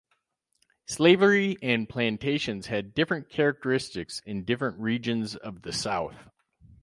Slavery and plantations had different characteristics in different regions of the South.